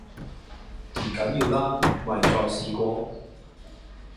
唔緊要㗎，咪再試過